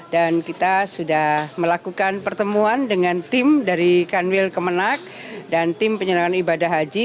dan kita sudah melakukan pertemuan dengan tim dari kanwil kemenak dan tim penyerahan ibadah haji